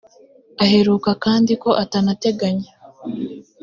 aheruka kandi ko atanateganya